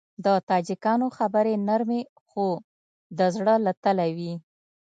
د تاجکانو خبرې نرمې خو د زړه له تله وي.